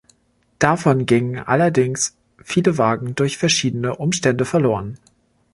Davon gingen allerdings viele Wagen durch verschiedene Umstände verloren.